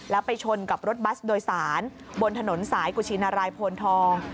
แล้วไปชนกับรถบัสโดยสารบนถนนสายกุชินารายโพนทอง